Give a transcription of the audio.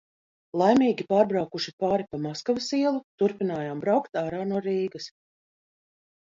Laimīgi pārbraukuši pāri pa Maskavas ielu turpinājām braukt ārā no Rīgas.